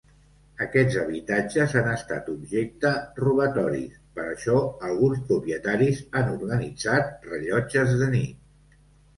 Aquests habitatges han estat objecte robatoris, per això alguns propietaris han organitzat rellotges de nit.